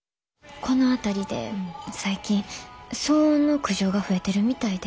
この辺りで最近騒音の苦情が増えてるみたいで。